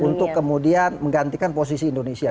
untuk kemudian menggantikan posisi indonesia